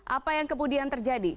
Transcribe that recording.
apa yang kemudian terjadi